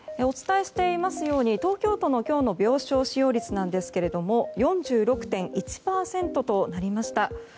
お伝えしていますように東京都の今日の病床使用率ですが４６．１％となりました。